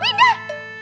emang ini kenapa